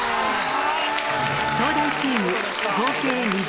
東大チーム合計２０ポイント